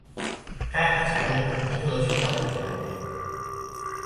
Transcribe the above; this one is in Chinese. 该海峡中有天鹅群岛等岛屿。